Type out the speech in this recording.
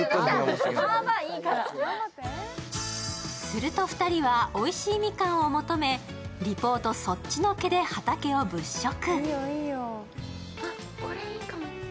すると２人はおいしいみかんを求め、リポートそっちのけで畑を物色。